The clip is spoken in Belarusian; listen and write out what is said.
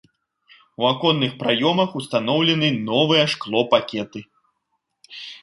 У аконных праёмах ўстаноўлены новыя шклопакеты.